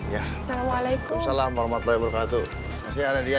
ya udah deh kalau begitu saya pulang ya